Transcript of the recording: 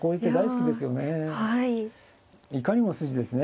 いかにも筋ですね。